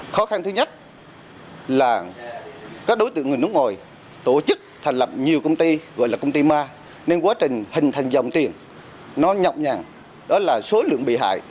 khó khăn thứ nhất là các đối tượng người nước ngoài tổ chức thành lập nhiều công ty gọi là công ty ma nên quá trình hình thành dòng tiền nó nhọc nhằn đó là số lượng bị hại